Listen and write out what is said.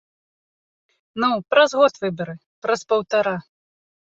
Ну, праз год выбары, праз паўтара.